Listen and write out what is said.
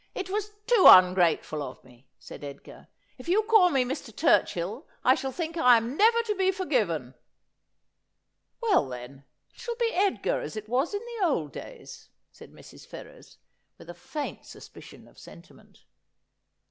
It was too ungrateful of me,' said Edgar. ' If you call me Mr. Turchill I shall think I am never to be forgiven.' ' Well, then, it shall be Edgar, as it was in the old days,' said Mrs. Ferrers, with a faint suspicion of sentiment.